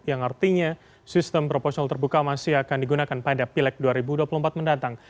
yang artinya sistem proporsional terbuka masih akan digunakan pada pileg dua ribu dua puluh empat mendatang